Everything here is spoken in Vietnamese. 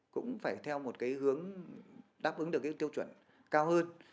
cũng phải theo một cái hướng đáp ứng được cái tiêu chuẩn cao hơn